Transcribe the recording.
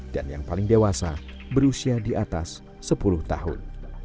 dan yang paling dewasa berusia di atas sepuluh tahun